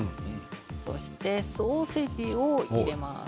そしてソーセージを入れます。